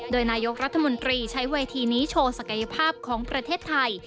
โดยนายกรัฐมนตรีใช้เวทีนี้โชว์ศักยภาพของประเทศไทย